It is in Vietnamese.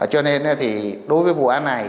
cho nên thì đối với vụ án này